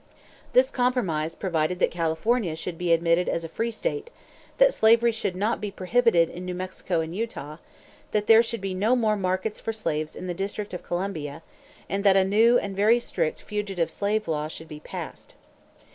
This compromise provided that California should be admitted as a free state; that slavery should not be prohibited in New Mexico and Utah; that there should be no more markets for slaves in the District of Columbia; and that a new and very strict fugitive slave law should be passed.